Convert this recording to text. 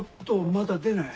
まだ出ない？